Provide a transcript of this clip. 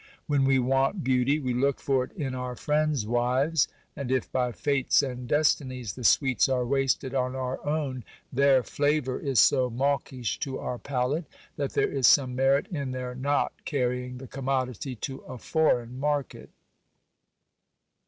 When we want beauty, we look for it in our friends' wives ; and if, by fates and des tinies, the sweets are wasted on our own, their flavour is so mawkish to our palate, that there is some merit in their not carrying the commodity to a foreign market.